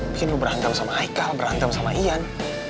mungkin lo berantem sama haikal berantem sama ian